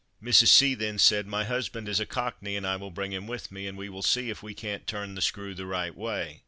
Mrs. C then said, "My husband is a cockney, and I will bring him with me, and we will see if we can't turn the screw the right way."